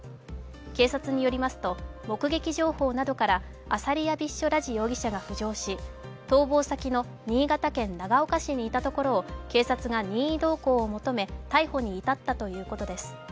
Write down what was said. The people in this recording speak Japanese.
警察によりますと目撃情報などからアサリヤ・ビッショ・ラジ容疑者が浮上し、逃亡先の新潟県長岡市にいたところを警察が任意同行を求め逮捕に至ったということです。